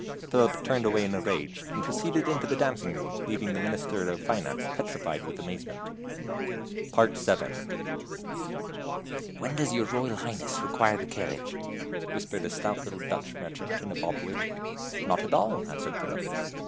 Philip turned away in a rage, and proceeded into the dancing room, leaving the Minister of Finance petrified with amazement. VII. "When does your Royal Highness require the carriage?" whispered a stout little Dutch merchant in a bob wig. "Not at all," answered Philip.